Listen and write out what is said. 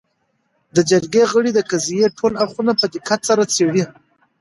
. د جرګې غړي د قضیې ټول اړخونه په دقت سره څېړي